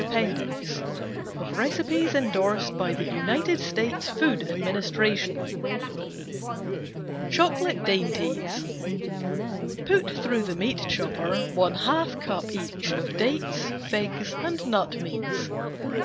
APPENDIX Recipes endorsed by the UNITED STATES FOOD ADMINISTRATION Chocolate Dainties PUT through the meat chopper one half cup each of dates, figs, and nut meats.